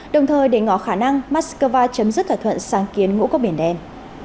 đồng thời đề ngỏ khả năng moscow chấm dứt thỏa thuận sang kiến ngũ các biển đen